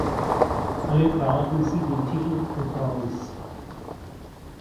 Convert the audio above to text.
Alle tragen sie den Titel "The Bronx".